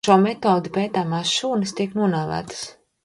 Ar šo metodi pētāmās šūnas tiek nonāvētas.